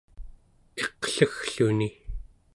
iqleggluni